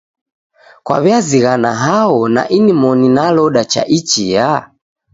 Kwaw'iazighana hao na nimoni naloda cha ichia?